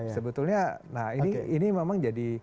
sebetulnya nah ini memang jadi